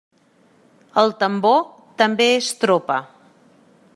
El tambor també és tropa.